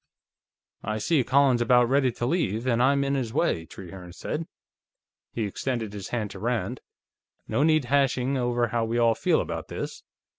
"I see Colin's about ready to leave, and I'm in his way," Trehearne said. He extended his hand to Rand. "No need hashing over how we all feel about this.